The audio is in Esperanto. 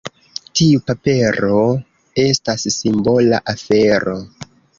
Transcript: Tiu papero estas simbola afero.